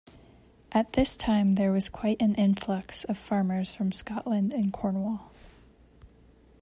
At this time there was quite an influx of farmers from Scotland and Cornwall.